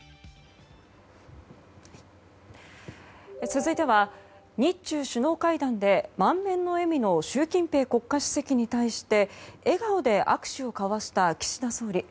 続いては日中首脳会談で満面の笑みの習近平国家主席に対して笑顔で握手を交わした岸田総理。